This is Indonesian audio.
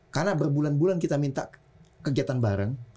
karena berbulan bulan kita minta kegiatan bareng